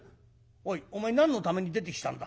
おいお前何のために出てきたんだ？